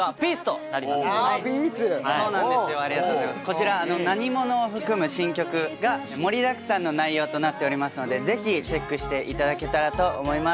こちら『なにもの』を含む新曲が盛りだくさんの内容となっておりますのでぜひチェックして頂けたらと思います。